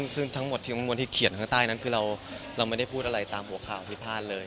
ซึ่งทั้งหมดที่ข้างบนที่เขียนข้างใต้นั้นคือเราไม่ได้พูดอะไรตามหัวข่าวที่พลาดเลย